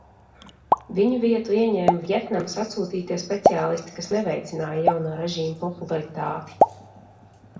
Viņu vietu ieņēma Vjetnamas atsūtītie speciālisti, kas neveicināja jaunā režīma popularitāti.